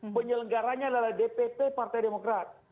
penyelenggaranya adalah dpp partai demokrat